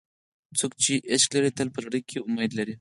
څوک چې عشق لري، تل په زړه کې امید لري.